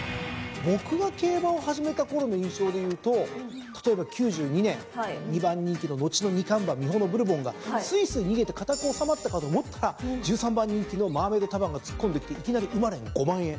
僕が競馬を始めたころの印象でいうと例えば９２年２番人気の後の２冠馬ミホノブルボンがすいすい逃げて堅く収まったかと思ったら１３番人気のマーメイドタバンが突っ込んできていきなり馬連５万円。